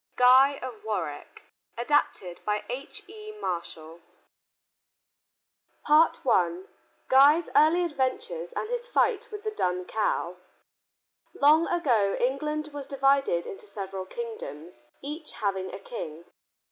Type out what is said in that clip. GUY OF WARWICK ADAPTED BY H.E. MARSHALL I GUY'S EARLY ADVENTURES AND HIS FIGHT WITH THE DUN COW Long ago England was divided into several kingdoms, each having a king.